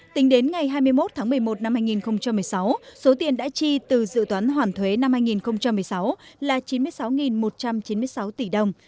tính đến ngày hai mươi một tháng một mươi một năm hai nghìn một mươi sáu số tiền đã chi từ dự toán hoàn thuế năm hai nghìn một mươi sáu là chín mươi sáu một trăm chín mươi sáu tỷ đồng